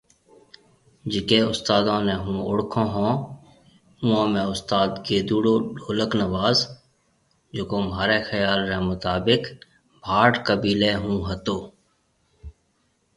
جڪي استادون ني هون اوڙکون ھوناوئون ۾ استاد گيدُوڙو ڍولڪ نواز جڪو ماهري خيال ري مطابق ڀٽ قبيلي ھونهتو